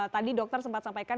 tadi dokter sempat sampaikan